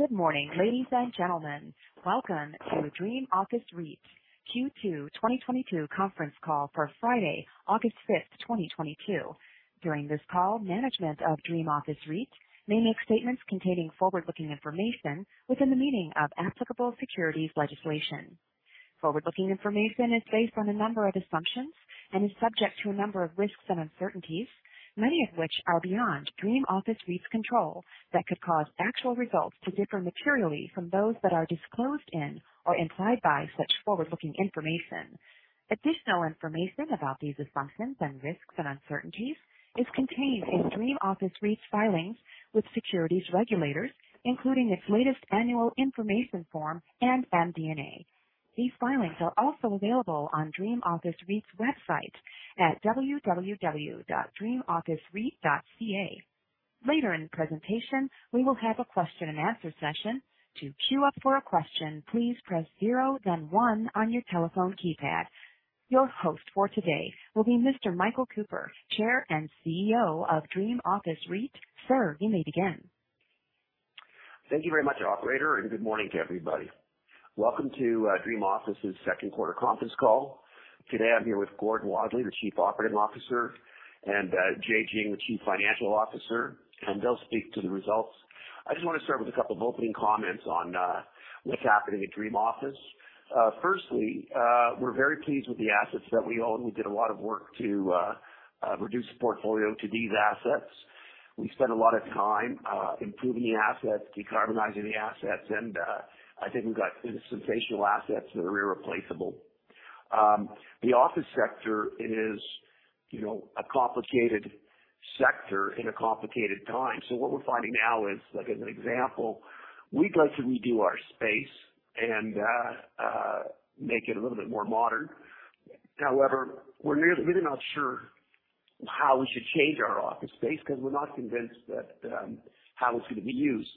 Good morning, ladies and gentlemen. Welcome to Dream Office REIT Q2 2022 Conference Call for Friday, August 5th, 2022. During this call, management of Dream Office REIT may make statements containing forward-looking information within the meaning of applicable securities legislation. Forward-looking information is based on a number of assumptions and is subject to a number of risks and uncertainties, many of which are beyond Dream Office REIT's control that could cause actual results to differ materially from those that are disclosed in or implied by such forward-looking information. Additional information about these assumptions and risks and uncertainties is contained in Dream Office REIT's filings with securities regulators, including its latest annual information form and MD&A. These filings are also available on Dream Office REIT's website at www.dreamofficereit.ca. Later in the presentation, we will have a question and answer session. To queue up for a question, please press zero then one on your telephone keypad. Your host for today will be Mr. Michael Cooper, Chair and CEO of Dream Office REIT. Sir, you may begin. Thank you very much operator and good morning to everybody. Welcome to Dream Office's second quarter conference call. Today I'm here with Gordon Wadley, the Chief Operating Officer, and Jay Jiang, the Chief Financial Officer, and they'll speak to the results. I just wanna start with a couple of opening comments on what's happening at Dream Office. Firstly, we're very pleased with the assets that we own. We did a lot of work to reduce the portfolio to these assets. We spent a lot of time improving the assets, decarbonizing the assets, and I think we've got some foundational assets that are irreplaceable. The office sector is, you know, a complicated sector in a complicated time. What we're finding now is, like as an example, we'd like to redo our space and make it a little bit more modern. However, we're really not sure how we should change our office space because we're not convinced that how it's going to be used.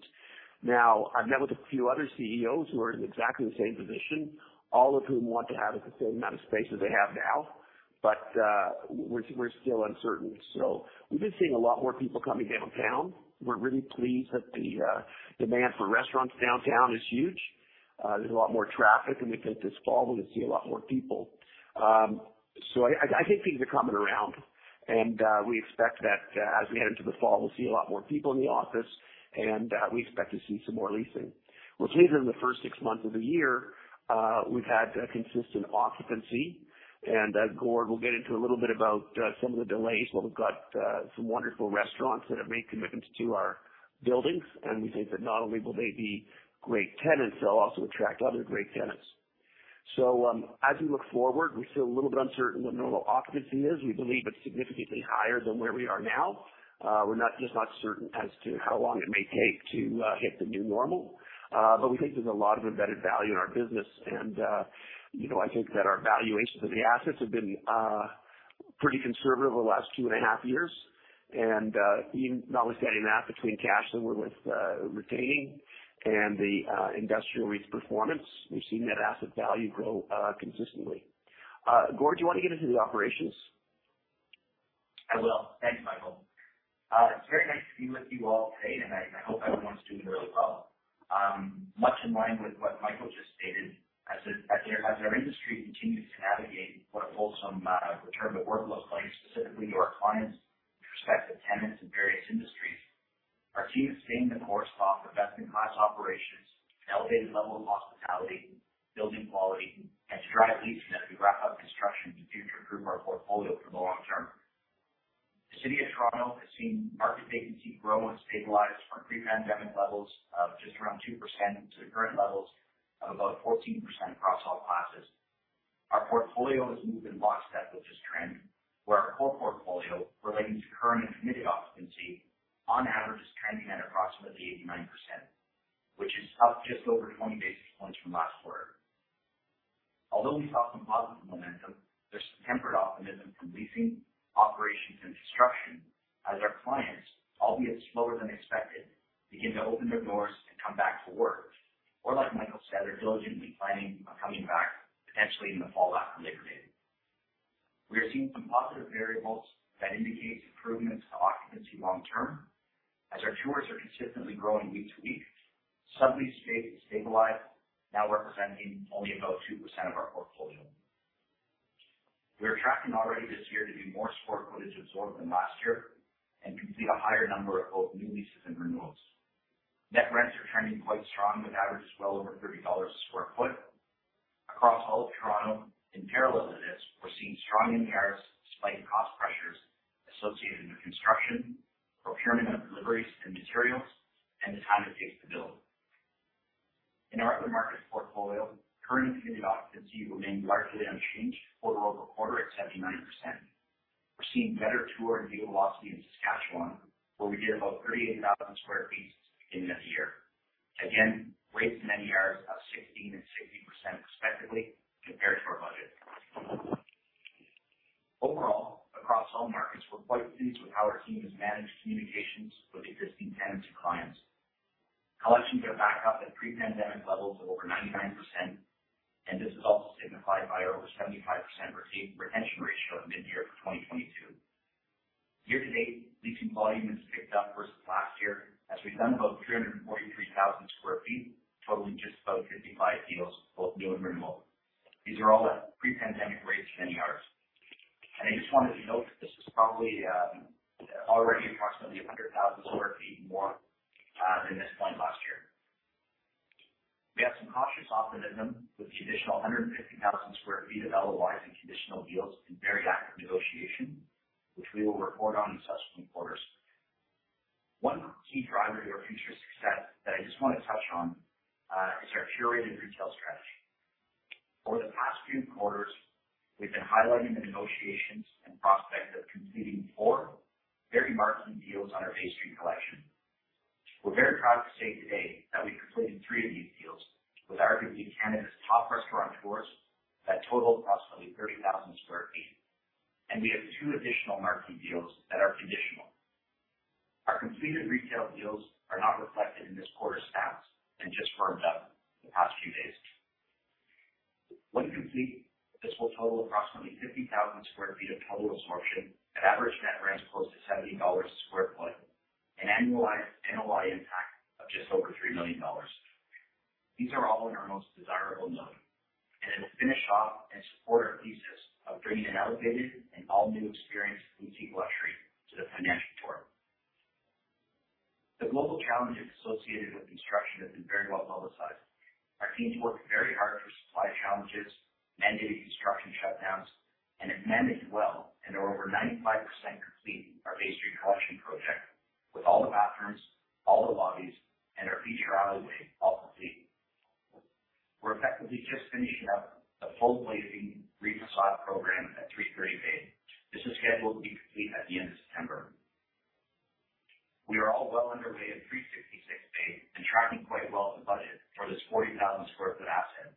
Now, I've met with a few other CEOs who are in exactly the same position, all of whom want to have the same amount of space as they have now. We're still uncertain. We've been seeing a lot more people coming downtown. We're really pleased that the demand for restaurants downtown is huge. There's a lot more traffic, and we think this fall we're going to see a lot more people. I think things are coming around and we expect that as we head into the fall, we'll see a lot more people in the office and we expect to see some more leasing. What's pleasing in the first six months of the year, we've had a consistent occupancy and Gord will get into a little bit about some of the delays, but we've got some wonderful restaurants that have made commitments to our buildings, and we think that not only will they be great tenants, they'll also attract other great tenants. As we look forward, we feel a little bit uncertain what normal occupancy is. We believe it's significantly higher than where we are now. We're just not certain as to how long it may take to hit the new normal. We think there's a lot of embedded value in our business. You know, I think that our valuations of the assets have been pretty conservative over the last two and a half years. Notwithstanding that, between cash that we're retaining and the industrial REIT's performance, we've seen that asset value grow consistently. Gord, do you want to get into the operations? I will thanks Michael. It's very nice to be with you all today, and I hope everyone's doing really well. Much in line with what Michael just stated, as their industry continues to navigate what wholesome return to work looks like, specifically to our clients' prospective tenants in various industries, our team is staying the course to offer best-in-class operations, elevated level of hospitality, building quality, and to drive leasing as we wrap up construction to further improve our portfolio for the long term. The city of Toronto has seen market vacancy grow and stabilize from pre-pandemic levels of just around 2% to current levels of about 14% across all classes. Our portfolio has moved in lockstep with this trend, where our core portfolio relating to current and committed occupancy on average is trending at approximately 89%, which is up just over 20 basis points from last quarter. Although we saw some positive momentum, there's some tempered optimism from leasing, operations, and construction as our clients, albeit slower than expected, begin to open their doors and come back to work. Like Michael said, they're diligently planning on coming back potentially in the fallout from Labor Day. We are seeing some positive variables that indicates improvements to occupancy long term as our tours are consistently growing week to week, sublease space stabilized, now representing only about 2% of our portfolio. We're tracking already this year to do more square footage absorbed than last year and complete a higher number of both new leases and renewals. Net rents are trending quite strong, with averages well over 30 dollars a sq ft. Across all of Toronto, in parallel to this, we're seeing strong increases despite cost pressures associated with construction, procurement of deliveries and materials, and the time it takes to build. In our other markets portfolio, current and committed occupancy remain largely unchanged quarter-over-quarter at 79%. We're seeing better tour and deal velocity in Saskatchewan, where we did about 38,000 sq ft beginning of the year. Again, rates and NARs up 16% and 60% respectively compared to our budget. Overall, across all markets, we're quite pleased with how our team has managed communications with existing tenants and clients. Collections are back up at pre-pandemic levels of over 99%, and this is also signified by our over 75% receipt retention ratio at mid-year for 2022. Year-to-date, leasing volume has picked up versus last year as we've done about 343,000 sq ft, totaling just about 55 deals, both new and renewal. These are all at pre-pandemic rates for many years. I just wanted to note that this is probably already approximately 100,000 sq ft more than this point last year. We have some cautious optimism with the additional 150,000 sq ft of LOIs and conditional deals in very active negotiation, which we will report on in subsequent quarters. One key driver to our future success that I just want to touch on is our curated retail strategy. Over the past few quarters, we've been highlighting the negotiations and prospects of completing four very marquee deals on our Bay Street collection. We're very proud to say today that we've completed three of these deals with arguably Canada's top restaurateurs that total approximately 30,000 sq ft. We have two additional marquee deals that are conditional. Our completed retail deals are not reflected in this quarter's facts and just firmed up in the past few days. When complete, this will total approximately 50,000 sq ft of total absorption at average net rents close to 70 dollars a sq ft, an annualized NOI impact of just over 3 million dollars. These are all in our most desirable node, and it'll finish off and support our thesis of bringing an elevated and all-new experience in boutique luxury to the financial core. The global challenges associated with construction have been very well publicized. Our teams worked very hard through supply challenges, mandated construction shutdowns, and have managed well and are over 95% complete in our Bay Street collection project with all the bathrooms, all the lobbies, and our feature alleyway all complete. We're effectively just finishing up the full glazing refaçade program at 330 Bay. This is scheduled to be complete at the end of September. We are all well underway at 366 Bay and tracking quite well to budget for this 40,000 sq ft asset.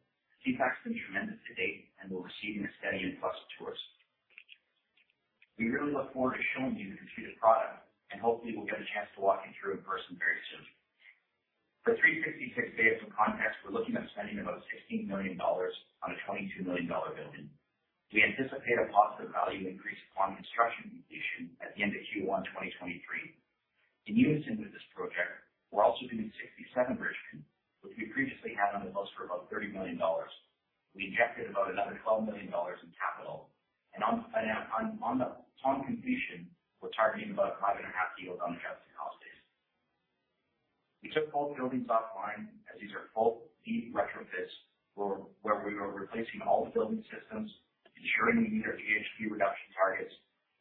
Feedback's been tremendous to date, and we're receiving a steady influx of tourists. We really look forward to showing you the completed product, and hopefully, we'll get a chance to walk you through in person very soon. For 366 Bay, for context, we're looking at spending about 16 million dollars on a 22 million dollar building. We anticipate a positive value increase upon construction completion at the end of Q1 2023. In unison with this project, we're also doing 67 Richmond, which we previously had on the books for about 30 million dollars. We injected about another 12 million dollars in capital. On completion, we're targeting about 5.5% yield on adjusted cost base. We took both buildings offline as these are full deep retrofits where we are replacing all the building systems, ensuring we meet our GHG reduction targets,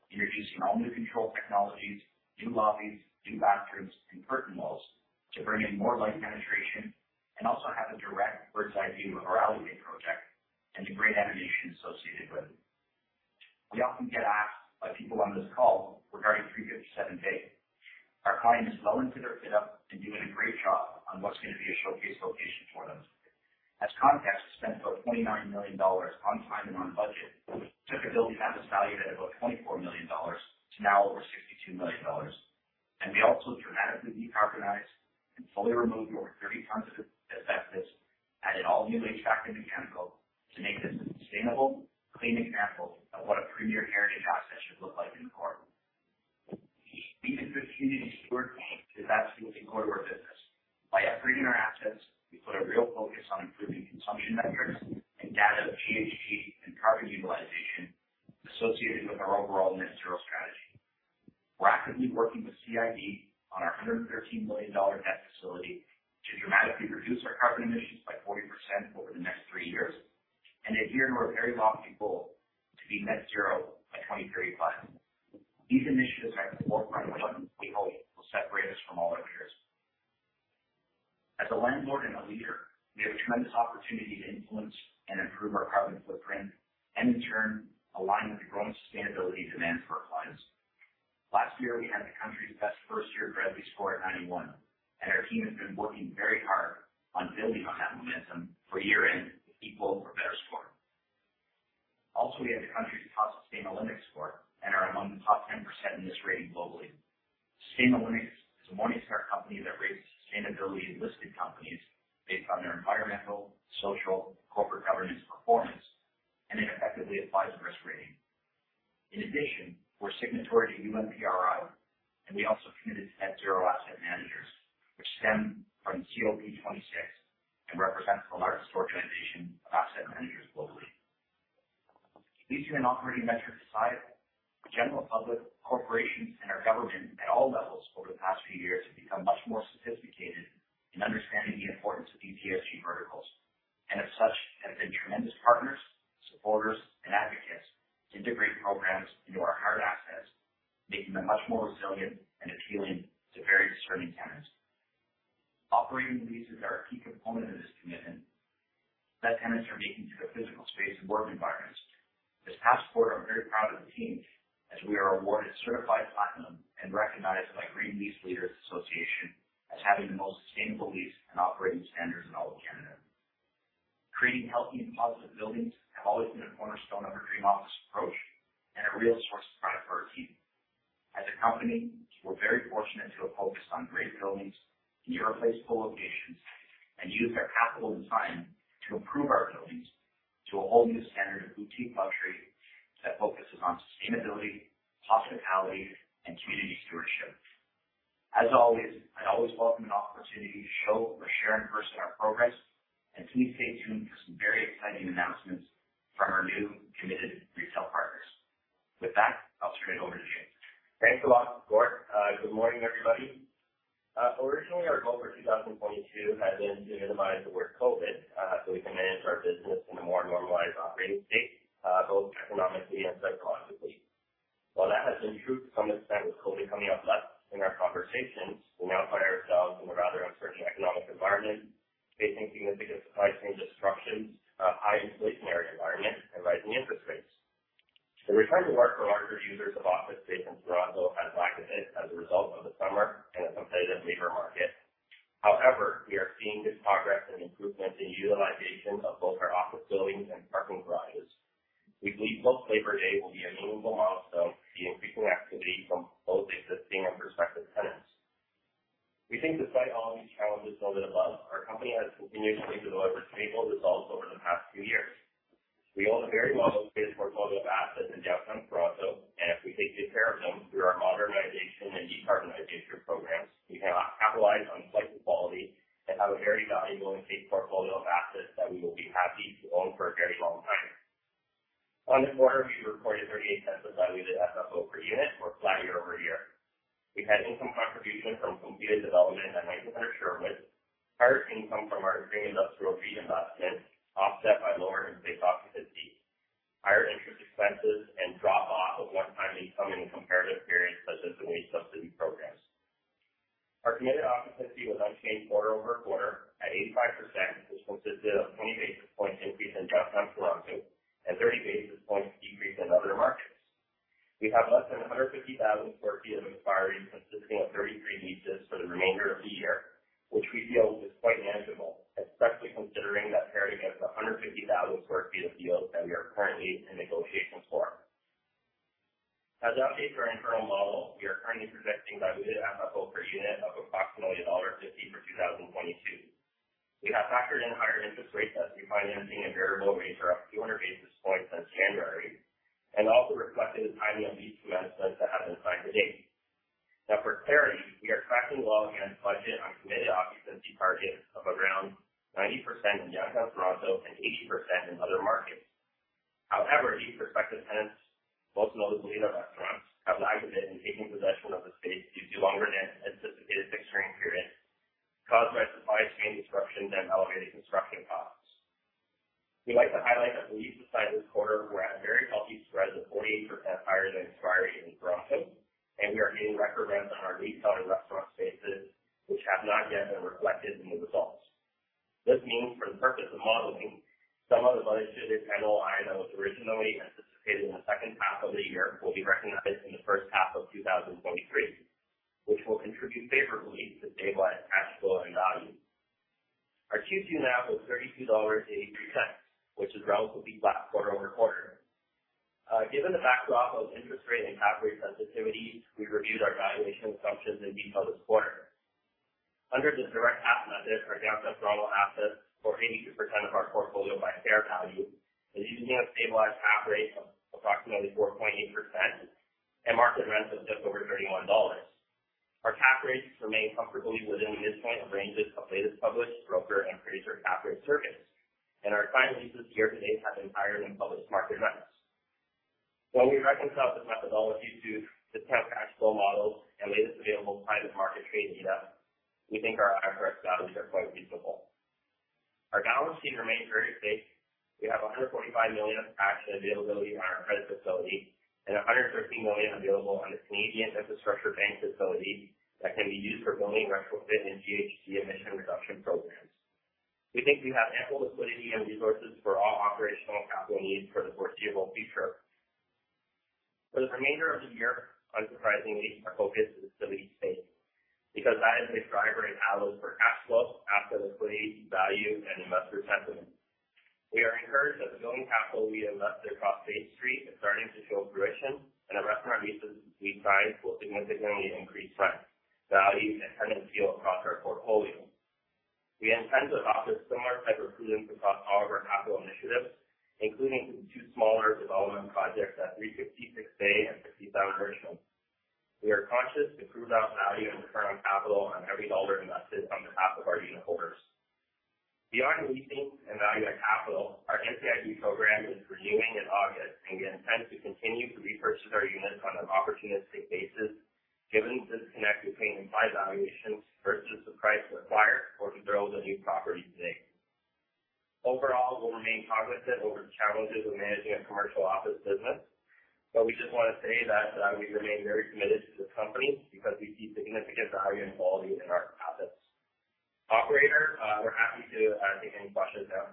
introducing all new control technologies, new lobbies, new bathrooms, and curtain walls to bring in more light penetration, and also have a direct street side view of our alleyway project and the great animation associated with it. We often get asked by people on this call regarding 366 Bay. Our client is well into their fit up and doing a great job on what's going to be a showcase location for them. As context, we spent about 29 million dollars on time and on budget. We took a building that was valued at about 24 million dollars to now over 62 million dollars. We also dramatically decarbonized and fully removed over 30 tons of asbestos, added all new HVAC and mechanical to make this a sustainable, clean example of what a premier heritage asset should look like moving forward. We take this community stewardship because that's really core to our business. By upgrading our assets, we put a real focus on improving consumption metrics and data, GHG, and carbon utilization associated with our overall net zero strategy. We're actively working with CIB on our 113 million dollar debt facility to dramatically reduce our carbon emissions by 40% over the next three years. Adhere to our very lofty goal to be net zero by 2035. These initiatives are at the forefront of what we hope will separate us from all our peers. As a landlord and a leader, we have a tremendous opportunity to influence and improve our carbon footprint, and in turn, align with the growing sustainability demands for our clients. Last year, we had the country's best first year Bradley score at 91, and our team has been working very hard on building on that momentum for year-end, an equal or better score. Also, we have the country's top Sustainalytics score and are among the top 10% in this rating globally. Sustainalytics is a Morningstar company that rates sustainability in listed companies based on their environmental, social, corporate governance performance, and it effectively applies a risk rating. In addition, we're signatory to UNPRI, and we also committed to Net Zero Asset Managers, which stem from COP26 and represents the largest organization of asset managers globally. These are not really metrics decided. The general public, corporations, and our government at all levels over the past few years have become much more sophisticated in understanding the importance of these ESG verticals, and as such, have been tremendous partners, supporters, and advocates to integrate programs into our hard assets, making them much more resilient and appealing to very discerning tenants. Operating leases are a key component of this commitment that tenants are making to the physical space and work environments. This past quarter I'm very proud of the team as we are awarded certified platinum and recognized by Green Lease Leaders as having the most sustainable lease and operating standards in all of Canada. Creating healthy and positive buildings have always been a cornerstone of our Dream Office approach and a real source of pride for our team. As a company, we're very fortunate to have focused on great buildings in irreplaceable locations and use our capital and design to improve our buildings to a whole new standard of boutique luxury that focuses on sustainability, hospitality, and community stewardship. As always, I always welcome an opportunity to show or share and verse in our progress. Please stay tuned for some very exciting announcements from our new committed retail partners. With that, I'll turn it over to Jay Jiang. Thanks a lot Gord good morning everybody. Originally, our goal for 2022 had been to minimize the word COVID, so we can manage our business in a more normalized operating state, both economically and psychologically. While that has been true to some extent with COVID coming up less in our conversations, we now find ourselves in a rather uncertain economic environment, facing significant supply chain disruptions, a high inflationary environment, and rising interest rates. The return to work for larger users of office space in Toronto has lagged a bit as a result of the summer and a competitive labor market. However, we are seeing good progress and improvement in utilization of both our office buildings and parking garages. We believe post Labor Day will be a meaningful milestone for the increasing activity from both existing and prospective tenants. We think despite all of these challenges noted above, our company has continuously delivered sustainable results over the past few years. We own a very well-located portfolio of assets in downtown Toronto, and if we take good care of them through our modernization and decarbonization programs, we can capitalize on the asset's quality and have a very valuable and safe portfolio of assets that we will be happy to own for a very long time. In this quarter, we reported CAD 0.38 of diluted FFO per unit or flat year-over-year. We had income contribution from completed development at 90 Sherbourne, higher income from our Dream Industrial REIT investment, offset by lower in-place occupancy, higher interest expenses, and drop-off of one-time income in the comparative period, such as the wage subsidy programs. Our committed occupancy was unchanged quarter-over-quarter at 85%, which consisted of 20 basis points increase in downtown Toronto and 30 basis points decrease in other markets. We have less than 150,000 sq ft of expiry consisting of 33 leases for the remainder that can be used for building retrofit and GHG emission reduction programs. We think we have ample liquidity and resources for all operational and capital needs for the foreseeable future. For the remainder of the year, unsurprisingly, our focus is to lease space because that is a driver and outlet for cash flow, asset liquidity, value, and investor sentiment. We are encouraged that the building capital we invested across Bay Street is starting to show fruition, and the restaurant leases we've signed will significantly increase rent, value, and tenant yield across our portfolio. We intend to adopt a similar type of prudence across all of our capital initiatives, including the two smaller development projects at 366 Bay and 67 Richmond. We are conscious to prove out value and return on capital on every dollar invested on behalf of our unitholders. Beyond leasing and value add capital, our NCIB program is resuming in August, and we intend to continue to repurchase our units on an opportunistic basis, given the disconnect between implied valuations versus the price required or controls on new properties today. Overall, we'll remain cognizant over the challenges of managing a commercial office business, but we just wanna say that, we remain very committed to this company because we see significant value and quality in our assets. Operator, we're happy to take any questions now.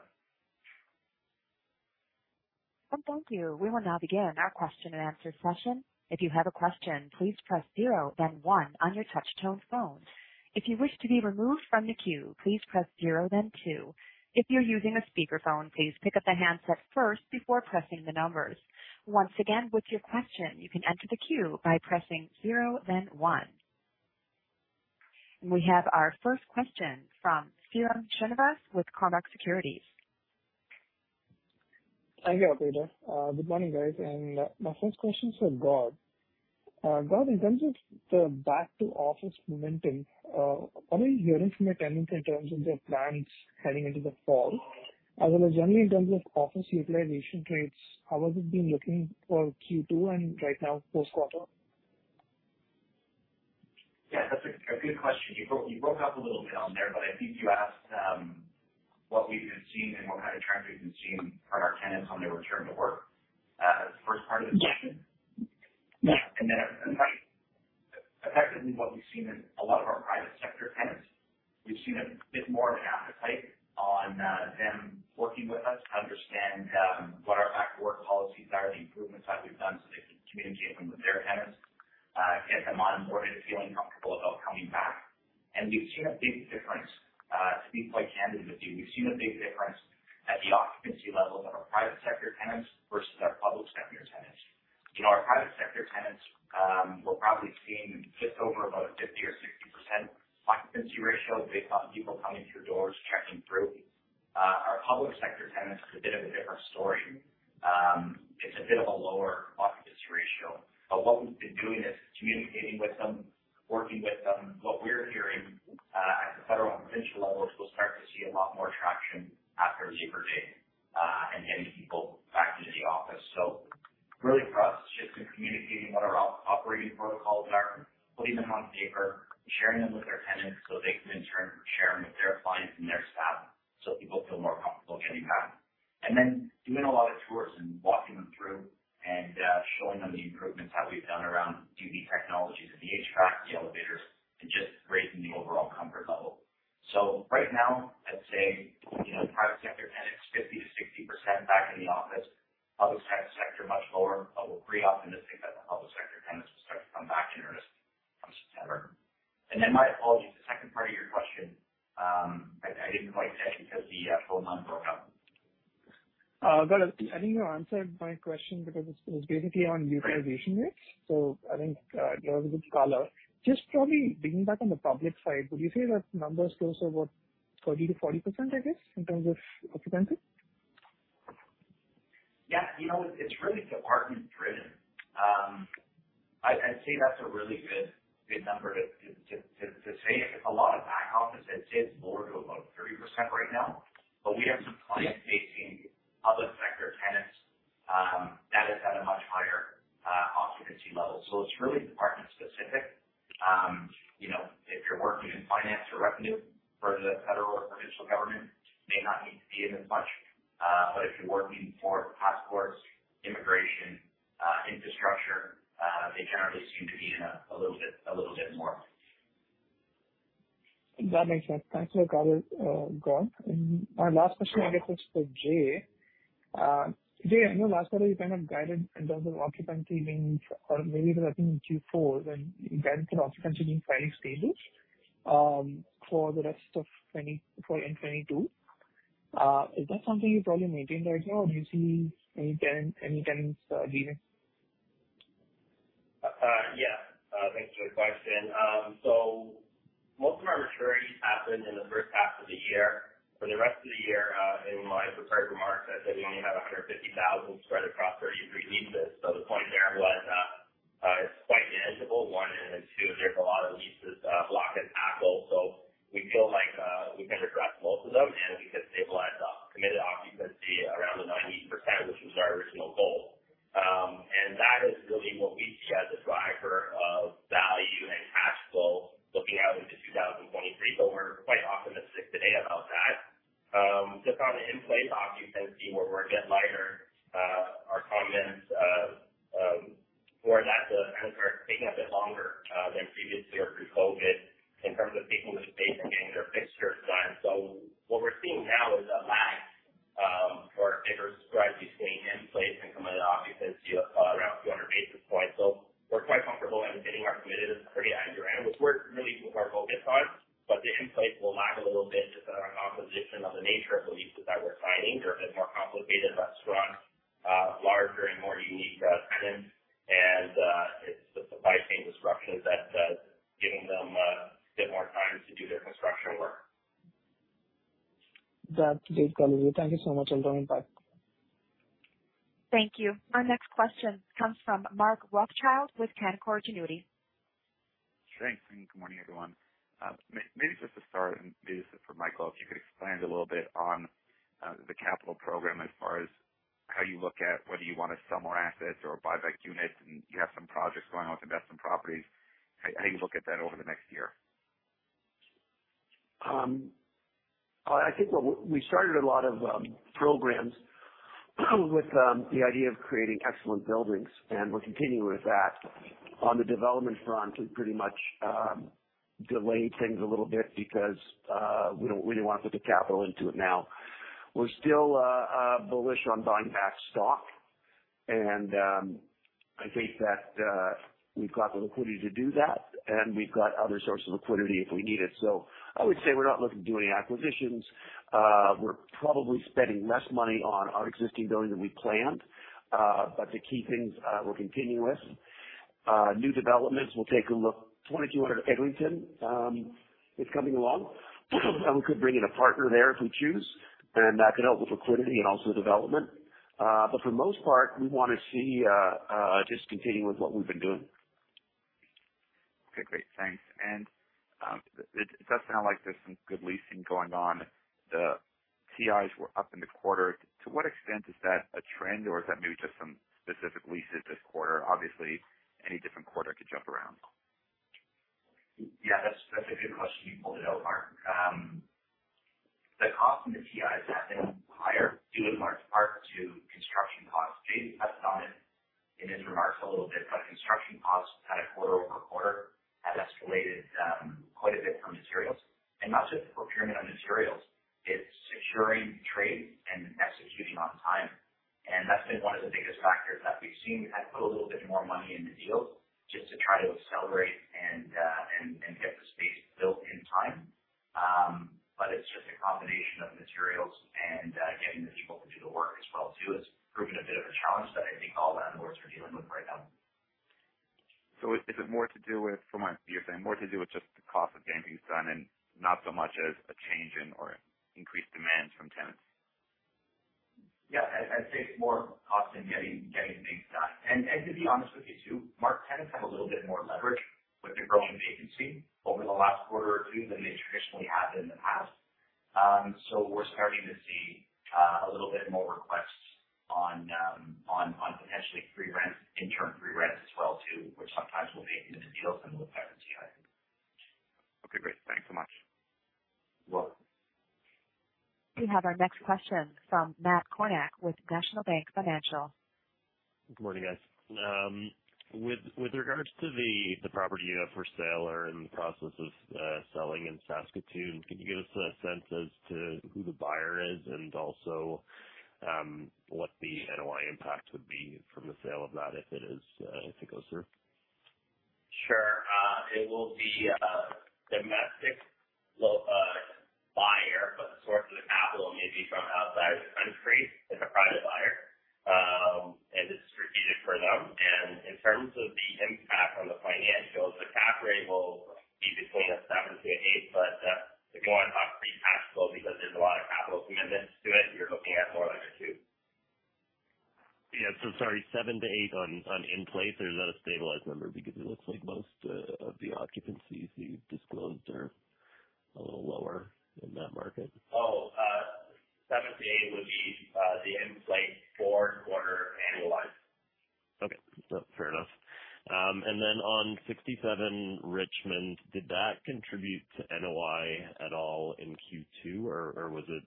Well thank you. We will now begin our question and answer session. If you have a question, please press zero then one on your touchtone phone. If you wish to be removed from the queue, please press zero then two. If you're using a speakerphone, please pick up the handset first before pressing the numbers. Once again, with your question, you can enter the queue by pressing zero then one. We have our first question from Sairam Srinivas with Cormark Securities. Thank you operator good morning guys. My first question is for Gord. Gord, in terms of the back to office momentum, what are you hearing from the tenants in terms of their plans heading into the fall, as well as generally in terms of office utilization rates? How has it been looking for Q2 and right now post quarter? Yeah, that's a good question. You broke up a little bit on there, but I think you asked what we've been seeing and what kind of trends we've been seeing from our tenants on their return to work. That's the first part of the question? Yeah. Yeah. Right. Effectively, what we've seen in a lot of our private sector tenants, we've seen a bit more of an appetite on them working with us to understand what our back to work policies are, the improvements that we've done so they can communicate them with their tenants, get them on board and feeling comfortable about coming back. We've seen a big difference. To be quite candid with you, we've seen a big difference at the occupancy levels of our private sector tenants versus our public sector tenants. In our private sector tenants, we're probably seeing just over about 50% or 60% occupancy ratio based on people coming through doors, checking through. Our public sector tenants is a bit of a different story. It's a bit of a lower occupancy ratio, but what we've been doing is that is at a much higher occupancy level. It's really department specific. You know, if you're working in finance or revenue for the federal or provincial government, may not need to be in as much. If you're working for passports, immigration, infrastructure, they generally seem to be in a little bit more. That makes sense. Thanks for that color, Gord. My last question, I guess, is for Jay. Jay, I know last quarter you kind of guided in terms of occupancy being or maybe it was I think in Q4, when you guided the occupancy being fairly stable, for the rest of 2022. Is that something you probably maintain right now or do you see any tenants leaving? Yeah. Thanks for the question. Most of our maturities happened in the first half of the year. For the rest of the year, in my prepared remarks, I said we only have 150,000 spread across 33 leases. The point there was, it's quite manageable. One. Then two, there's a lot of leases, low-hanging fruit. We feel like we can address most of them, and we could stabilize committed occupancy around 90%, which was our original goal. That is really what we see as a driver of value and cash flow looking out into 2023. We're quite optimistic today about that. Just on the in-place occupancy where we're a bit lighter, our tenants more or less are taking a bit longer than previously or pre-COVID in terms of taking the space and getting their fixtures done. What we're seeing now is a lag for a bigger spread between in-place and committed occupancy of around 200 basis points. We're quite comfortable that the committed is pretty on brand, which we're really our focus on. The in-place will lag a little bit just around composition of the nature of the leases that we're signing. They're a bit more complicated, less strong, larger and more unique tenants. It's the supply chain disruptions that are giving them a bit more time to do their construction work. That is good color. Thank you so much. I'll join back. Thank you. Our next question comes from Mark Rothschild with Canaccord Genuity. Thanks, good morning, everyone. Maybe just to start, maybe this is for Michael, if you could expand a little bit on the capital program as far as how you look at whether you want to sell more assets or buyback units, and you have some projects going on with investment properties. How do you look at that over the next year? I think we started a lot of programs with the idea of creating excellent buildings, and we're continuing with that. On the development front, we've pretty much delayed things a little bit because we don't really want to put the capital into it now. We're still bullish on buying back stock. I think that we've got the liquidity to do that, and we've got other sources of liquidity if we need it. I would say we're not looking to do any acquisitions. We're probably spending less money on our existing building than we planned. But the key things we're continuing with. New developments, we'll take a look. 2200 Eglinton is coming along. Could bring in a partner there if we choose, and that could help with liquidity and also development. For the most part, we want to see just continue with what we've been doing. Okay great thanks. It does sound like there's some good leasing going on. The TIs were up in the quarter. To what extent is that a trend or is that maybe just some specific leases this quarter? Obviously, any different quarter could jump around. Yeah, that's a good question. You pulled it out Mark. The cost in the TIs has been higher due in large part to construction costs. Jay touched on it in his remarks a little bit, but construction costs quarter-over-quarter have escalated quite a bit from materials. Not just procurement of materials, it's securing trades and executing on time. That's been one of the biggest factors that we've seen. We had to put a little bit more money into deals just to try to accelerate and get the space built in time. But it's just a combination of materials and getting the people to do the work as well too, has proven a bit of a challenge that I think all landlords are dealing with right now. Is it more to do with, from my view, more to do with just the cost of getting things done and not so much as a change in or increased demands from tenants? Yeah, I'd say it's more cost and getting things done. To be honest with you, too, Mark, tenants have a little bit more leverage with the growing vacancy over the last quarter or two than they traditionally have in the past. We're starting to see a little bit more requests on potentially free rent, interim free rent as well too, which sometimes will make it into deals and with higher TI. Okay, great. Thanks so much. Welcome. We have our next question from Matt Kornack with National Bank Financial. Good morning, guys. With regards to the property you have for sale or in the process of selling in Saskatoon, can you give us a sense as to who the buyer is and also what the NOI impact would be from the sale of that if it goes through? Sure. It will be a domestic buyer, but the source of the capital may be from outside of the country. It's a private buyer, and it's strategic for them. In terms of the impact on the financials, the cap rate will be between 7%-8%. Again, we're not pre-taxable because there's a lot of capital commitments to it. You're looking at more like 2%. Sorry, 7%-8% in place or is that a stabilized number? Because it looks like most of the occupancies you've disclosed are a little lower in that market. 7-8 would be the in-place for fourth quarter annualized. Okay. Fair enough. On 67 Richmond, did that contribute to NOI at all in Q2 or was it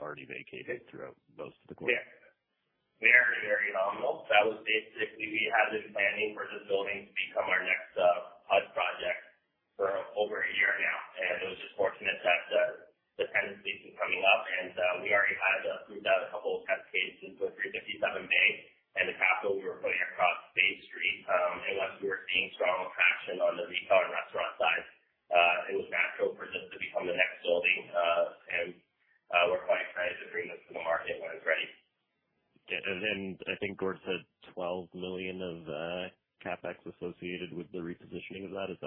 already vacated throughout most of the quarter? Yeah. Very, very nominal. That was basically we have been planning for this building to become our next gut project for over a year now. It was just fortunate that the tenancy seemed coming up and we already had moved out a couple of test cases with 357 Bay and the capital we were putting across Bay Street. Unless we were seeing strong traction on the retail and restaurant side, it was natural for this to become the next building. We're quite excited to bring this to the market when it's ready. Yeah. I think Gord said 12 million of CapEx associated with the repositioning of that. Is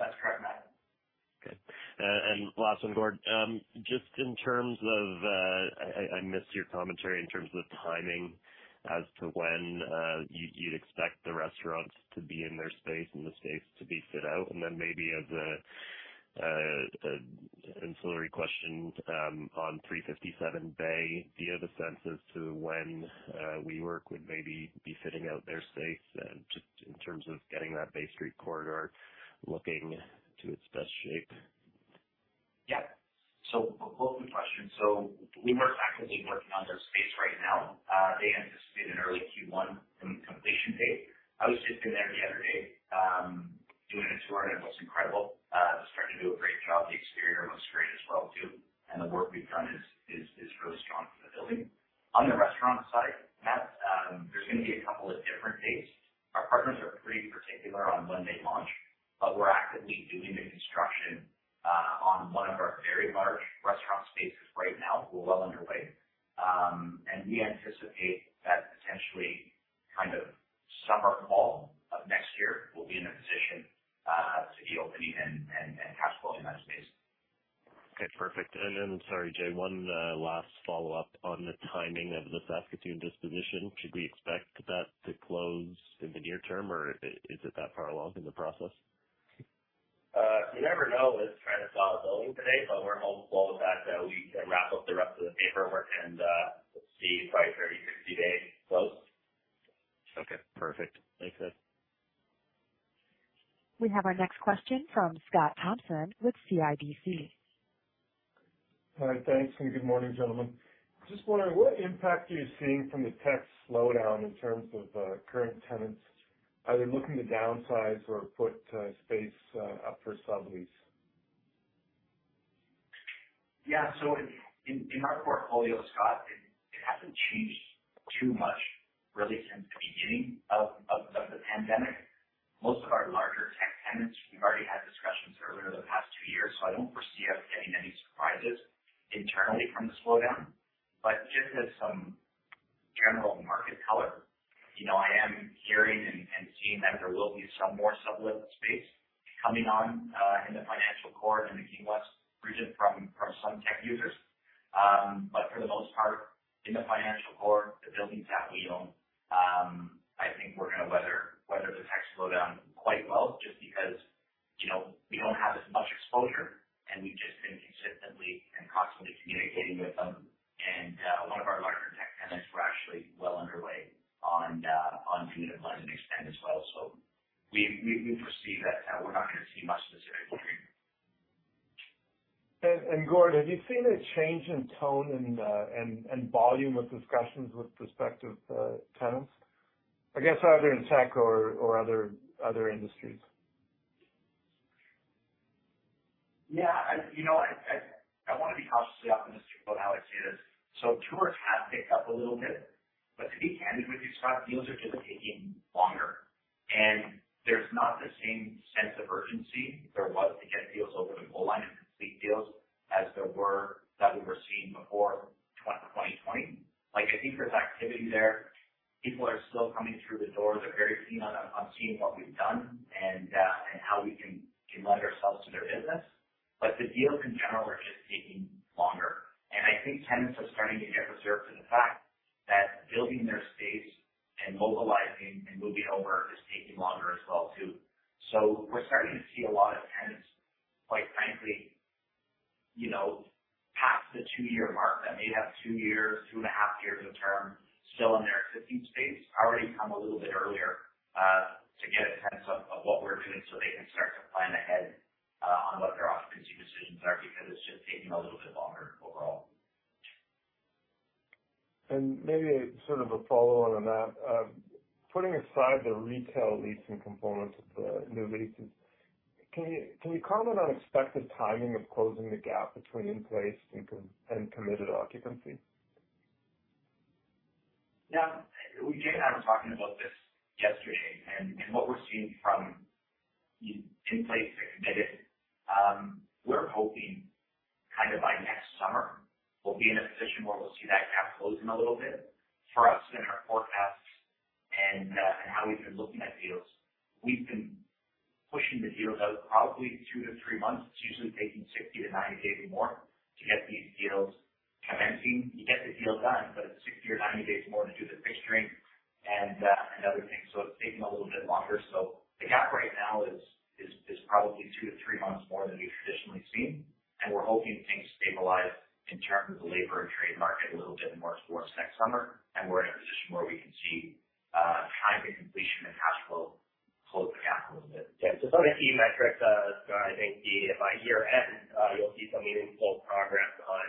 that correct? That's correct, Matt. Okay. Last one, Gord. Just in terms of, I missed your commentary in terms of timing as to when you'd expect the restaurants to be in their space and the space to be fit out. Then maybe as a ancillary question, on 357 Bay. Do you have a sense as to when WeWork would maybe be fitting out their space, just in terms of getting that Bay Street corridor looking to its best shape? Yeah. We'll pull up the question. WeWork's actively working on their space right now. They anticipate an early Q1 completion date. I was just in there the other day, doing a tour, and it looks incredible. They're starting to do a great job. The exterior looks great as well, too. The work we've done is really strong for the building. On the restaurant side, Matt, there's gonna be a couple of different dates. Our partners are pretty particular on when they launch, but we're actively doing the construction on one of our very large restaurant spaces right now. We're well underway. We anticipate that potentially kind of summer, fall of next year, we'll be in a position to be opening and cash flowing that space. Okay. Perfect. Sorry Jay one last follow-up on the timing of the Saskatoon disposition. Should we expect that to close in the near term, or is it that far along in the process? You never know with trying to sell a building today, but we're hopeful that we can wrap up the rest of the paperwork and see by a 30-60 day close. Okay, perfect. Thanks, guys. We have our next question from Scott Thompson with CIBC. All right thanks and good morning gentlemen. Just wondering what impact are you seeing from the tech slowdown in terms of current tenants either looking to downsize or put space up for sublease? Yeah. In our portfolio Scott it hasn't changed too much really since the beginning of the pandemic. Most of our larger tech tenants, we've already had discussions earlier the past two years, so I don't foresee us getting any surprises internally from the slowdown. Just as some general market color, you know, I am hearing and seeing that there will be some more sublet space coming on in the financial core in the King West region from some tech users. For the most part, in the financial core, the buildings that we own, I think we're gonna weather the tech slowdown quite well, just because, you know, we don't have as much exposure and we've just been consistently and constantly communicating with them. A lot of our larger tech tenants were actually well underway on land and expand as well. We foresee that we're not gonna see much of this. Gordon, have you seen a change in tone and volume of discussions with prospective tenants, I guess either in tech or other industries? Yeah, you know what? I wanna be cautiously optimistic about how I'd say this. Tours have picked up a little bit, but to be candid with you, Scott, deals are just taking longer, and there's not the same sense of urgency there was to get deals over the goal line and complete deals as that we were seeing before 2020. Like, I think there's activity there. People are still coming through the doors. They're very keen on seeing what we've done and how we can lend ourselves to their business. The deals in general are just taking longer. I think tenants are starting to get resigned to the fact that building their space and mobilizing and moving over is taking longer as well, too. We're starting to see a lot of tenants, quite frankly, you know, past the two-year mark that may have two years, two and a half years of term still in their existing space already come a little bit earlier, to get a sense of what we're doing so they can start to plan ahead, on what their occupancy decisions are, because it's just taking a little bit longer overall. Maybe sort of a follow-on on that. Putting aside the retail leasing components of the new leases, can you comment on expected timing of closing the gap between in-place and committed occupancy? Yeah. Jay and I were talking about this yesterday. What we're seeing from in-place to committed, we're hoping kind of by next summer we'll be in a position where we'll see that gap closing a little bit. For us, in our forecasts and how we've been looking at deals, we've been pushing the deals out probably two to three months. It's usually taking 60-90 days or more to get these deals commencing. You get the deal done, but it's 60 or 90 days more to do the fixturing and other things, so it's taking a little bit longer. The gap right now is probably two to three months more than we've traditionally seen, and we're hoping things stabilize in terms of labor and trade market a little bit more towards next summer, and we're in a position where we can see timing, completion and cash flow close the gap a little bit. Yeah. Some of the key metrics, I think by year end, you'll see some meaningful progress on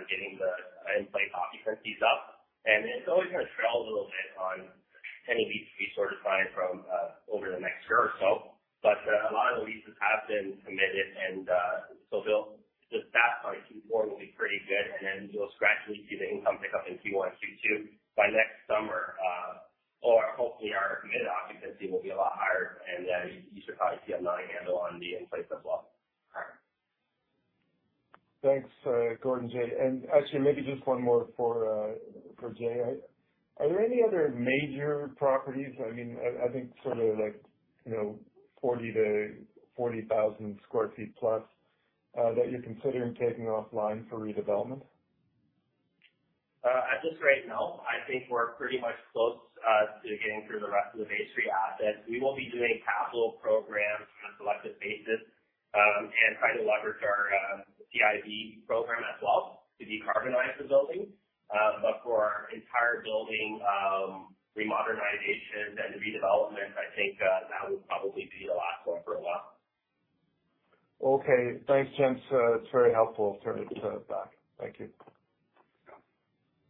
getting the in-place occupancies up. It's always gonna trail a little bit on any lease we sort of sign from over the next year or so. A lot of the leases have been committed and so the stats on Q4 will be pretty good, and then you'll gradually see the income pick up in Q1, Q2. By next summer, or hopefully our committed occupancy will be a lot higher, and then you should probably see a better handle on the in-place as well. All right. Thanks Gordon, Jay. Actually maybe just one more for Jay. Are there any other major properties, I mean, I think sort of like, you know, 40-40,000 sq ft+ that you're considering taking offline for redevelopment? At this rate, no. I think we're pretty much close to getting through the rest of the Bay Street assets. We will be doing capital programs on a selective basis, and try to leverage our CIB program as well to decarbonize the building. For entire building remodernization and redevelopment, I think that would probably be the last one for a while. Okay. Thanks gents it's very helpful. Turn it back. Thank you. Yeah.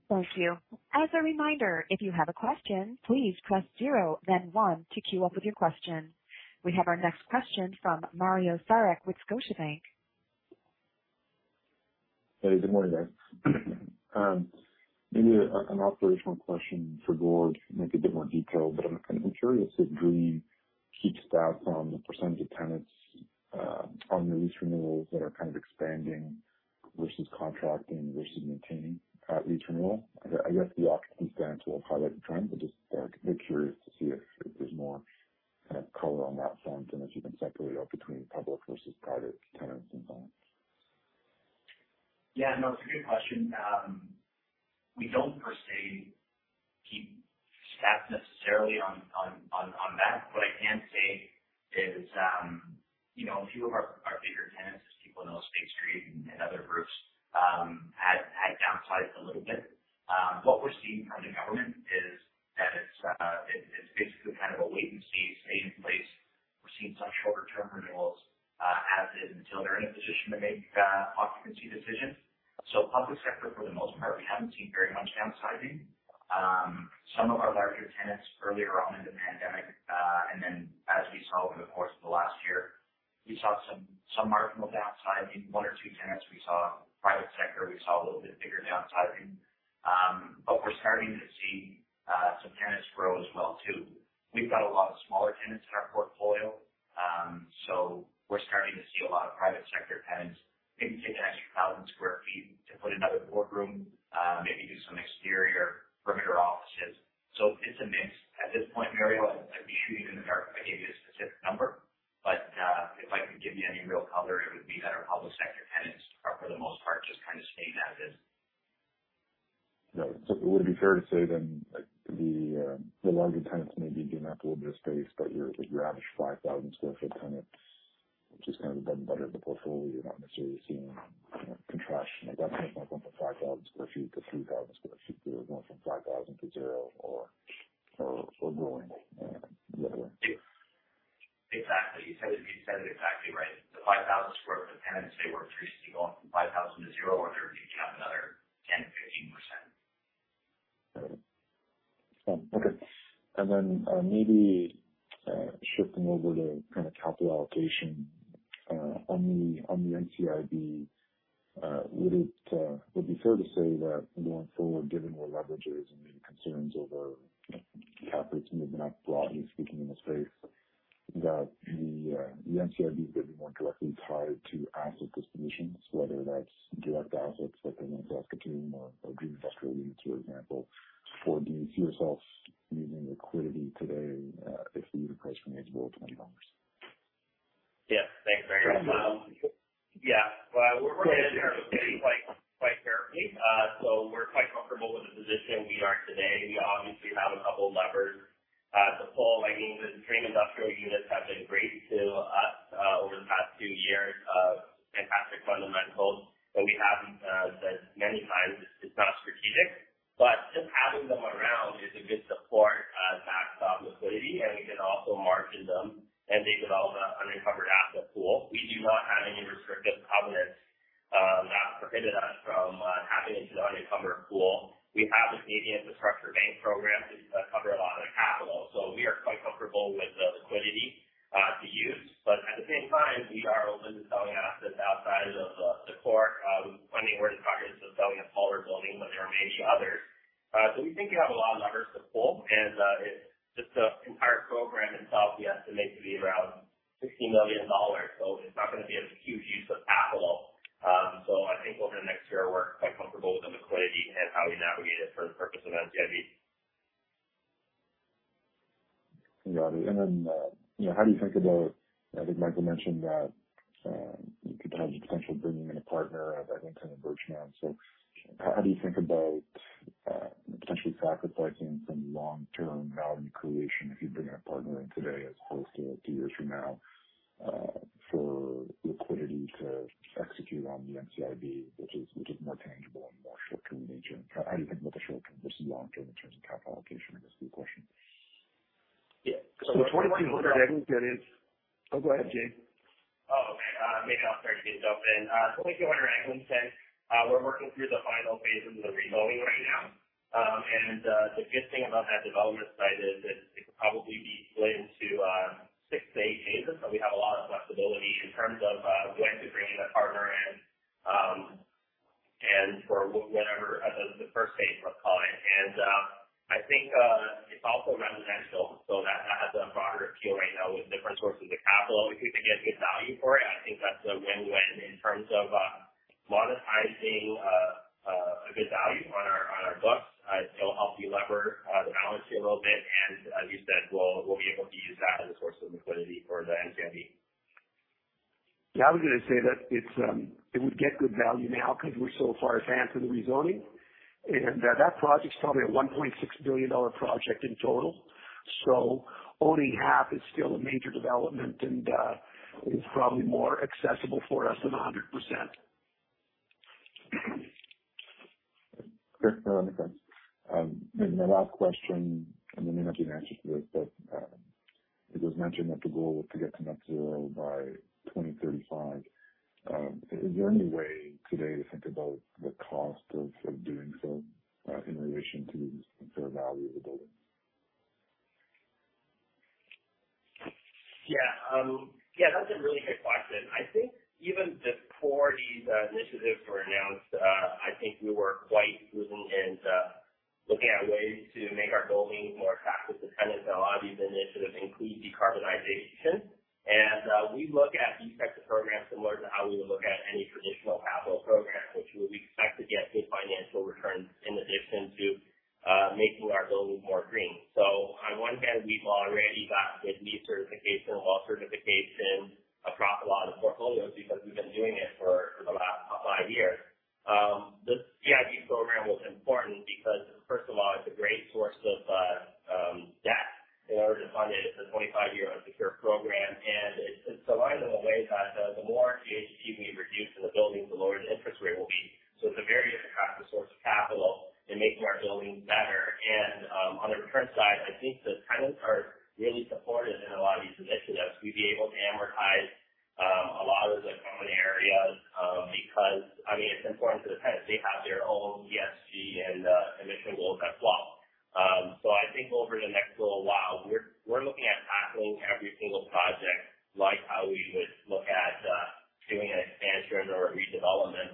Thank you. As a reminder, if you have a question, please press zero then one to queue up with your question. We have our next question from Mario Saric with Scotiabank. Hey good morning guys. Maybe an operational question for Gord, maybe a bit more detailed, but I'm curious if Dream keeps stats on the percentage of tenants on the lease renewals that are kind of expanding versus contracting versus maintaining at lease renewal. I guess the occupancy stats will highlight the trends, but just kind of capital allocation, on the NCIB, would it be fair to say that going forward, given where leverage is and the concerns over cap rates moving up, broadly speaking in the space, that the NCIB may be more directly tied to asset dispositions, whether that's direct assets like the New York Aquarium or Dream Industrial units, for example. Or do you see yourself using liquidity today, if the unit price remains below CAD 20? potentially sacrificing some long-term value creation if you bring a partner in today as opposed to two years from now, for liquidity to execute on the NCIB, which is more tangible and more short-term in nature? How do you think about the short term versus long term in terms of capital allocation? I guess is the question. Yeah. Oh, go ahead Jay. Maybe I'll start by jumping in. Thank you for your question. We're working through the final phases of the rezoning right now. The good thing about that development site is that it could probably be split into 6-8 phases. We have a lot of flexibility in terms of when to bring in a partner and for whatever the first phase, let's call it. I think it's also residential, so that has a broader appeal right now with different sources of capital. If we can get good value for it, I think that's a win-win in terms of monetizing a good value on our books. It'll help delever the balance sheet a little bit, and as you said, we'll be able to use that as a source of liquidity for the NCIB. I was gonna say that it would get good value now because we're so far advanced in the rezoning. That project's probably a 1.6 billion dollar project in total. Owning half is still a major development, and is probably more accessible for us than 100%. Great. No, that makes sense. The last question, and there may not be an answer to this, but it was mentioned that the goal was to get to net zero by 2035. Is there any way today to think about the cost of doing so, in relation to the value of the building? Yeah. Yeah, that's a really good question. I think even before these initiatives were announced, I think we were looking at ways to make our buildings more attractive to tenants. Now, a lot of these initiatives include decarbonization. We look at these types of programs similar to how we would look at any traditional capital program, which we expect to get good financial returns in addition to making our buildings more green. On one hand, we've already got LEED certification, WELL certification across a lot of the portfolios because we've been doing it for the last five years. The CIB program was important because first of all, it's a great source of debt in order to fund it. It's a 25-year secured program and align them in a way that the more GHG we reduce in the building, the lower the interest rate will be. It's a very attractive source of capital in making our buildings better. On the return side, I think the tenants are really supportive in a lot of these initiatives. We'd be able to amortize a lot of the common areas because, I mean, it's important to the tenants. They have their own ESG and emission goals as well. I think over the next little while we're looking at tackling every single project, like how we would look at doing an expansion or a redevelopment.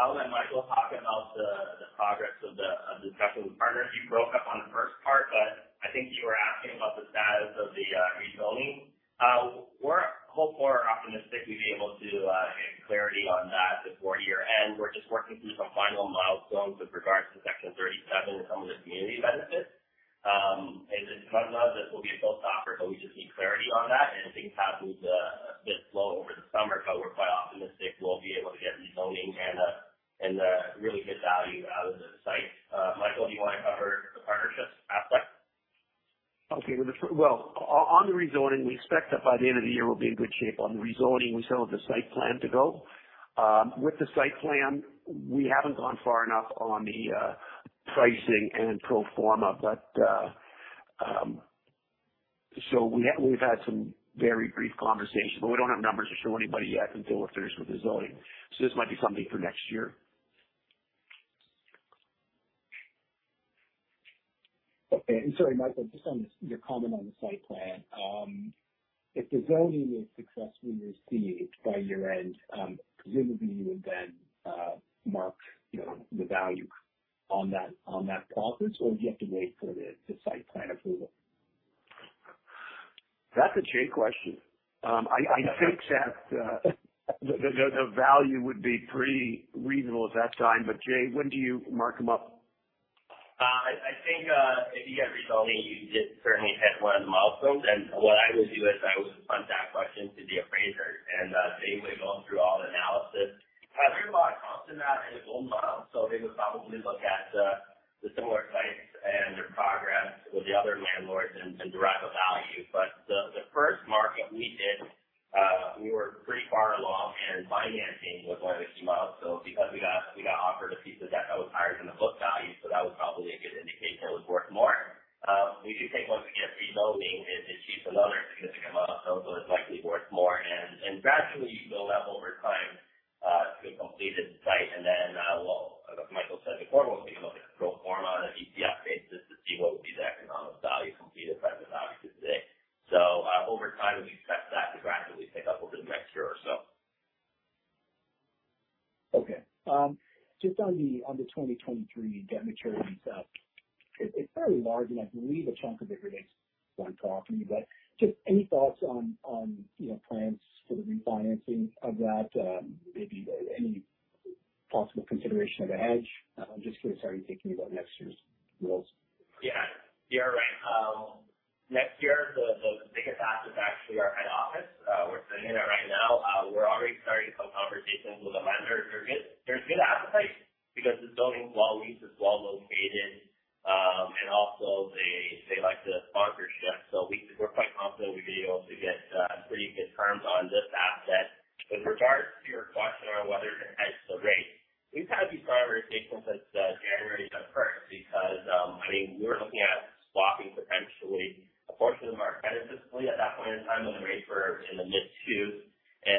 I'll let Michael talk about the progress of the discussion with partners. You broke up on the first part, but I think you were asking about the status of the rezoning. We're hopeful or optimistic we'd be able to get clarity on that before year end. We're just working through some final milestones with regards to Section 37 and some of the community benefits. The sentiment is this will be a built offer, but we just need clarity on that. Things happened a bit slow over the summer, but we're quite optimistic we'll be able to get rezoning and really good value out of the site. Michael, do you wanna cover the partnerships aspect? Okay. Well, on the rezoning, we expect that by the end of the year we'll be in good shape. On the rezoning, we still have the site plan to go. With the site plan, we haven't gone far enough on the pricing and pro forma, but so we've had some very brief conversations, but we don't have numbers to show anybody yet until we're finished with the zoning. This might be something for next year. Okay. Sorry Michael just on this, your comment on the site plan. If the zoning is successfully received by year end, presumably you would then, Mark, you know, the value on that property, or do you have to wait for the site plan approval? That's a Jay question. I think that the value would be pretty reasonable at that time. Jay, when do you mark them up? I think if you get rezoning, you did certainly hit one of the milestones. What I would do is I would punt that question to the appraiser, and they would go through all the analysis. There's a lot of confidence in that in the gold model. They would probably look at the similar sites and their progress with the other landlords and derive a value. The first mark that we did, we were pretty far along, and financing was one of the key milestones because we got offered a piece of debt that was higher than the book value. That was probably a good indicator it was worth more. If you take once we get rezoning, it achieves another significant milestone, so it's likely worth more. Gradually you can build that over time to a completed site. Then, as Michael said before, we'll take a look at the pro forma and DCF basis to see what would be the economic value completed versus the value today. Over time, we expect that to gradually pick up over the next year or so. Okay. Just on the 2023 debt maturities. It's fairly large, and I believe a chunk of it relates to one property, but just any thoughts on, you know, plans for the refinancing of that, maybe any possible consideration of a hedge? I'm just curious how you're thinking about next year's goals. Yeah. You're right. Next year the biggest asset is actually our head office. We're sitting in it right now. We're already starting some conversations with the lenders. They're good. There's good appetite because the building's well leased, it's well located, and also they like the sponsorship. We're quite confident we'll be able to get pretty good terms on this asset. With regard to your question on whether to hedge the rate, we've had these conversations since January first because, I mean, we were looking at swapping potentially a portion of our credit facility at that point in time when the rates were in the mid-twos.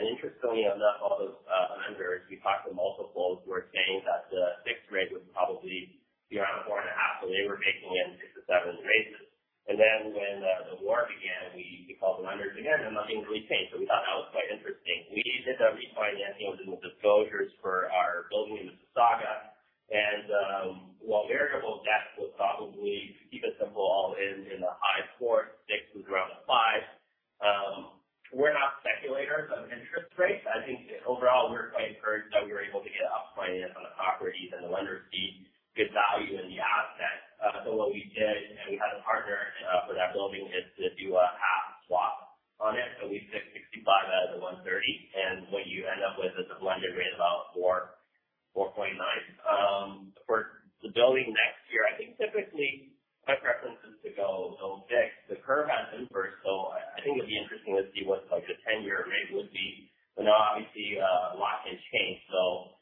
Interestingly enough, all those lenders we talked to, multiples, were saying that the fixed rate would probably be around 4.5%. They were baking in 6-7 raises. When the war began, we called the lenders again, and nothing's really changed. We thought that was quite interesting. We did the refinancing with the disclosures for our building in Mississauga. While variable debt will probably keep it simple in the high 4%, fixed is around the 5%. We're not speculators of interest rates. I think overall we're quite encouraged that we were able to get up front end on the properties and the lenders see good value in the asset. What we did, and we had a partner for that building, is to do a half swap on it. We took 65 out of the 130, and what you end up with is a blended rate of about 4.9%. For the building next year, I think typically my preference is to go fixed. The curve has inverted, so I think it'll be interesting to see what like the 10-year rate would be. But no, obviously, a lot can change. So,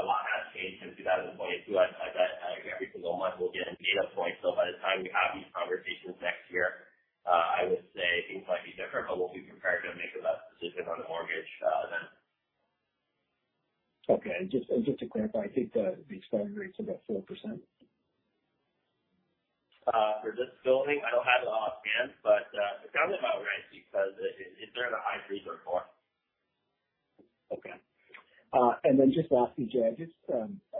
a lot has changed since we got to this point too. I bet, like, every single month we'll get a data point. So by the time we have these conversations next year, I would say things might be different, but we'll be prepared to make a lending decision on the mortgage, then. Okay. Just to clarify, I think the expiring rate's about 4%. For this building, I don't have it offhand, but it's gotta be about right because it's around the high threes or four. Okay. Just lastly, Jay, I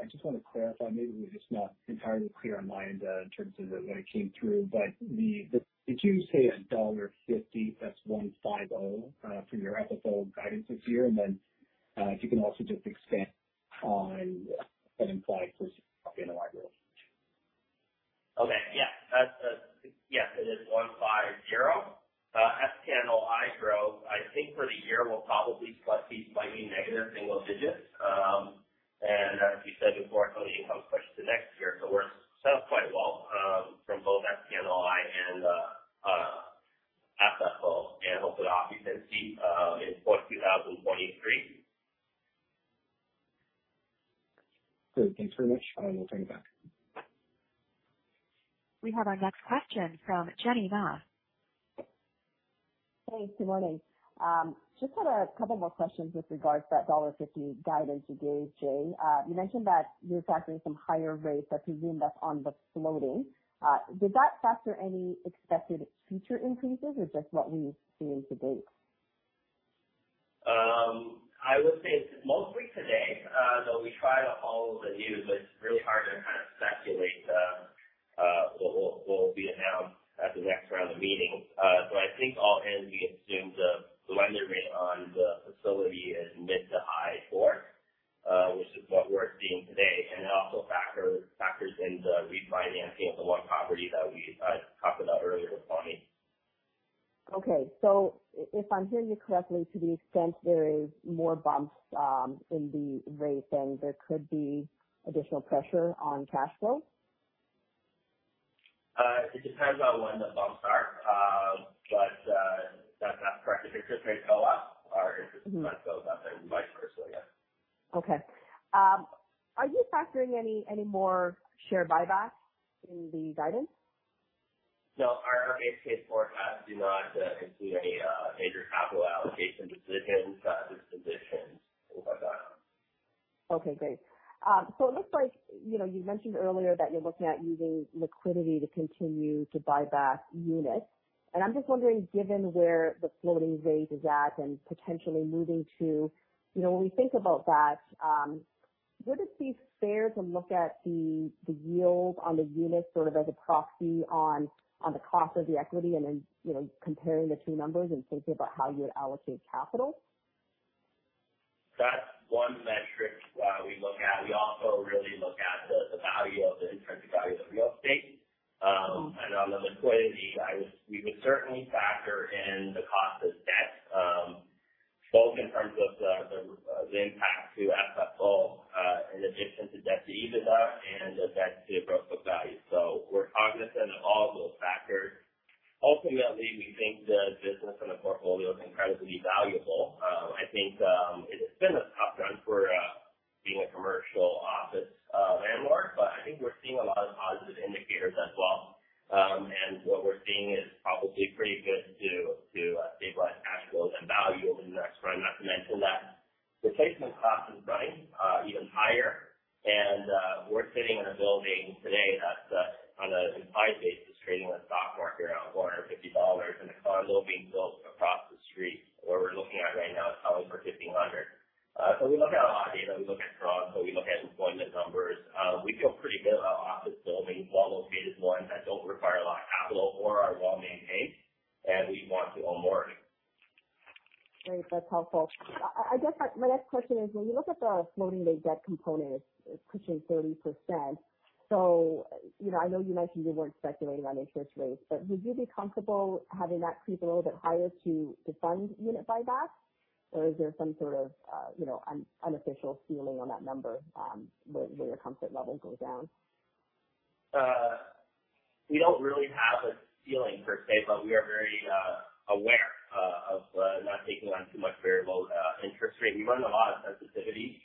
just wanna clarify, maybe we're just not entirely clear on my end in terms of the way it came through. Did you say dollar 1.50, that's 1.50, for your FFO guidance this year? If you can also just expand on what that implies for same-property NOI growth. Yes, it is 150. Same-Property NOI growth, I think for the year will probably plus fees might be negative single digits. As we said before on the income question into next year. We're set up quite well from both Same-Property NOI and FFO and hopefully the occupancy in Q4 2023. Good. Thanks very much, and we'll turn it back. We have our next question from Jenny Ma. Hey, good morning. Just had a couple more questions with regards to that dollar 1.50 guidance you gave, Jay. You mentioned that you're factoring some higher rates that you assumed on the floating. Did that factor any expected future increases or just what we've seen to date? I would say mostly to date. Though we try to follow the news, but it's really hard to kind of speculate what will be announced at the next round of meetings. I think all in, we assume the blended rate on the facility is mid- to high-4%, which is what we're seeing today. It also factors in the refinancing of the one property that we talked about earlier with Thomas Burr. Okay. If I'm hearing you correctly, to the extent there is more bumps in the rate, then there could be additional pressure on cash flow? It depends on when the bumps are. That's not correct. If interest rates go up, our interest expense- Mm-hmm. Goes up and vice versa, yeah. Okay. Are you factoring any more share buybacks in the guidance? No, our base case forecasts do not include any major capital allocation decisions, dispositions, things like that. Okay, great. It looks like, you know, you mentioned earlier that you're looking at using liquidity to continue to buy back units. I'm just wondering, given where the floating rate is at and potentially moving to, you know, when we think about that, would it be fair to look at the yield on the units sort of as a proxy on the cost of the equity and then, you know, comparing the two numbers and thinking about how you would allocate capital? That's one metric we look at. We also really look at the value of the intrinsic value of the real estate. Mm-hmm. On the liquidity side, we would certainly factor in the cost of debt, both in terms of the impact to FFO, in addition to debt to EBITDA and the effect to the gross book value. We're cognizant of all those factors. Ultimately, we think the business and the portfolio is incredibly valuable. I think it has been a tough run for being a commercial office landlord, but I think we're seeing a lot of positive indicators as well. What we're seeing is obviously pretty good to stabilize cash flows and value over the next run. Not to mention that replacement cost is running even higher. We're sitting in a building today that's on a price basis, trading on the stock market around 450 dollars. There's a condo being built across the street, where we're looking at right now, it's selling for 1,500. We look at a lot of data. We look at jobs, so we look at employment numbers. We feel pretty good about office buildings, well-located ones that don't require a lot of capital or are well-maintained, and we want to own more of them. Great. That's helpful. I guess my next question is, when you look at the floating rate debt component, it's pushing 30%. You know, I know you mentioned you weren't speculating on interest rates, but would you be comfortable having that creep a little bit higher to fund unit buybacks? Or is there some sort of, you know, unofficial ceiling on that number, where your comfort level goes down? We don't really have a ceiling per se, but we are very aware of not taking on too much variable interest rate. We run a lot of sensitivity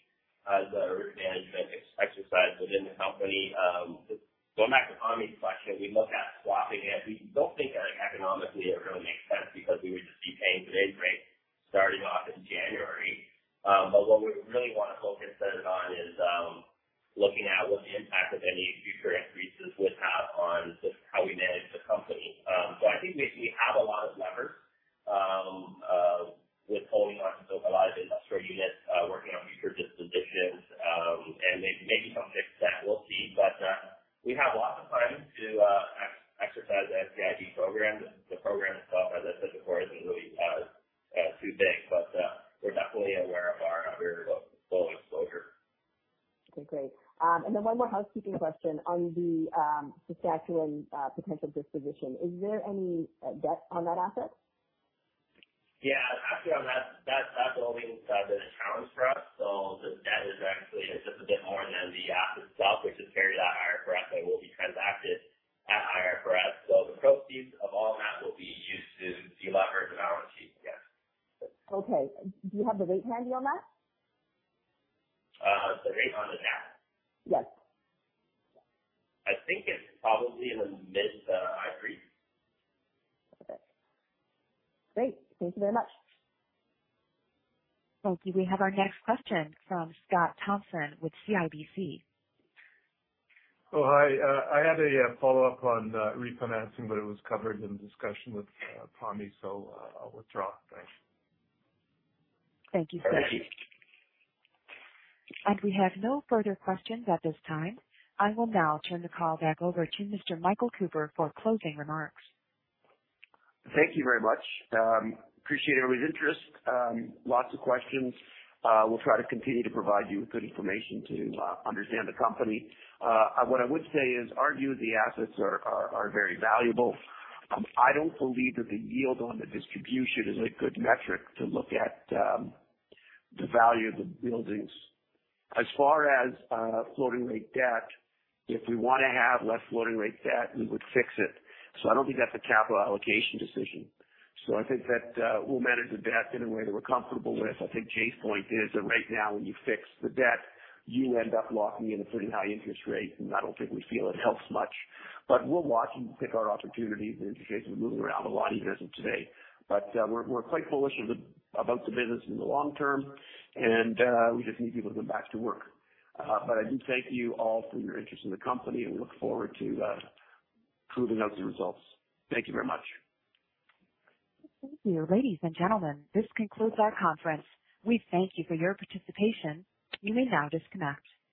the management exercise within the company. Going back to Thomas Burr's question, we looked at swapping it. We don't think that economically it really makes sense because we would just be paying the same rate starting off in January. What we really wanna focus then on is looking at what the impact of any future increases would have on just how we manage the company. I think we have a lot of levers with holding on to localized industrial units, working on future dispositions, and some mix of that. We'll see. We have lots of time to exercise the NCIB program. The program itself, as I said before, isn't really too big, but we're definitely aware of our very low exposure. Okay, great. One more housekeeping question. On the Saskatchewan potential disposition, is there any debt on that asset? Yeah, actually on that building's been a challenge for us. The debt is actually just a bit more than the asset itself, which is carried at IFRS and will be transacted at IFRS. The proceeds of all that will be used to delever the balance sheet, yes. Okay. Do you have the rate handy on that? The rate on the debt? Yes. I think it's probably in the mid, high threes. Okay. Great. Thank you very much. Thank you. We have our next question from Scott Thompson with CIBC. Oh, hi. I had a follow-up on refinancing, but it was covered in discussion with Thomas Burr, so I'll withdraw. Thanks. Thank you, sir. Thank you. We have no further questions at this time. I will now turn the call back over to Mr. Michael Cooper for closing remarks. Thank you very much. Appreciate everybody's interest. Lots of questions. We'll try to continue to provide you with good information to understand the company. What I would say is our view of the assets are very valuable. I don't believe that the yield on the distribution is a good metric to look at the value of the buildings. As far as floating rate debt, if we wanna have less floating rate debt, we would fix it. I don't think that's a capital allocation decision. I think that we'll manage the debt in a way that we're comfortable with. I think Jay's point is that right now when you fix the debt, you end up locking in a pretty high interest rate. I don't think we feel it helps much. We're watching, pick our opportunities. The interest rates are moving around a lot even as of today. We're quite bullish about the business in the long term and we just need people to get back to work. I do thank you all for your interest in the company and look forward to proving out the results. Thank you very much. Thank you. Ladies and gentlemen, this concludes our conference. We thank you for your participation. You may now disconnect.